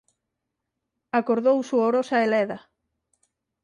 Acordou suorosa e leda.